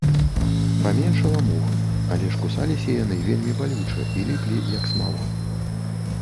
Паменшала мух, але ж кусаліся яны вельмі балюча і ліплі, як смала.